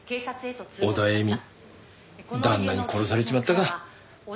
オダエミ旦那に殺されちまったか。